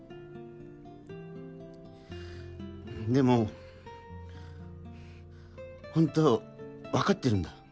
でもほんとは分かってるんだ。